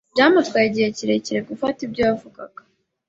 Byamutwaye igihe kirekire gufata ibyo yavugaga.